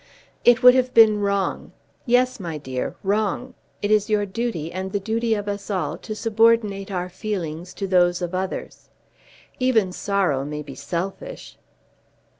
"It would have been wrong; yes, my dear, wrong. It is your duty, and the duty of us all, to subordinate our feelings to those of others. Even sorrow may be selfish."